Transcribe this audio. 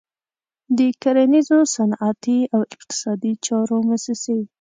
د کرنیزو، صنعتي او اقتصادي چارو موسسې.